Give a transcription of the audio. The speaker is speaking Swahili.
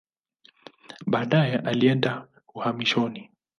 Baadaye alienda uhamishoni.